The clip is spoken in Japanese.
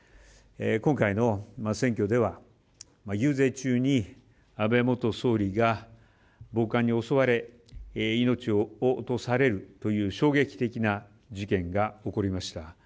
今回の選挙では遊説中に安倍元総理が暴漢に襲われ命を落とされるという衝撃的な事件が起こりました。